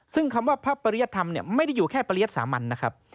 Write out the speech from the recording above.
ซึ่งคำว่าพระปริยธรรมไม่ได้อยู่แค่ปริยัติสามัญนะครับ